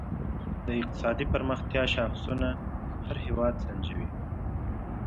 د اقتصادي پرمختیا شاخصونه هر هېواد سنجوي.